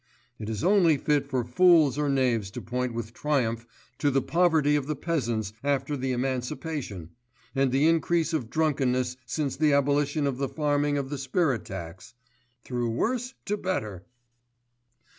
It is only fit for fools or knaves to point with triumph to the poverty of the peasants after the emancipation, and the increase of drunkenness since the abolition of the farming of the spirit tax.... Through worse to better!